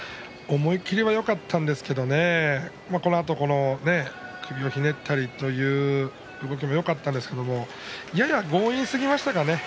思い切りがよかったんですけどね、このあと首をひねったりという動きもよかったですけどやや強引すぎましたかね。